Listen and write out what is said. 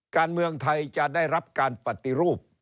การเมืองไทยจะได้รับการปฏิรูป